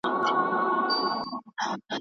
خپل مور او پلار هيڅکله مه خفه کوئ.